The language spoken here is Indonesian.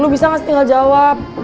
lo bisa gak sih tinggal jawab